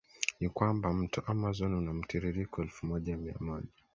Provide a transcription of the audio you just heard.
ni kwamba Mto Amazon una mtiririko elfumoja miamoja